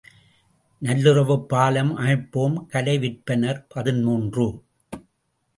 நல்லுறவுப் பாலம் அமைப்போம் கலை விற்பன்னர் பதிமூன்று .